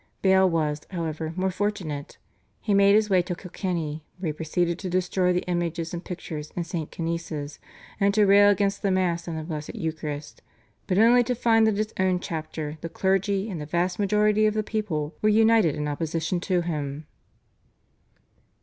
Bale was, however, more fortunate. He made his way to Kilkenny where he proceeded to destroy the images and pictures in St. Canice's, and to rail against the Mass and the Blessed Eucharist, but only to find that his own chapter, the clergy, and the vast majority of the people were united in their opposition to him.